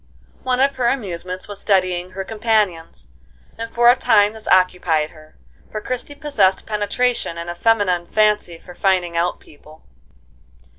One of her amusements was studying her companions, and for a time this occupied her, for Christie possessed penetration and a feminine fancy for finding out people.